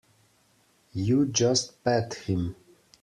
You just pat him.